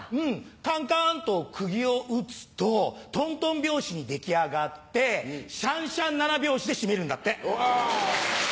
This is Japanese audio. カンカンとくぎを打つとトントン拍子に出来上がってシャンシャン七拍子で締めるんだって。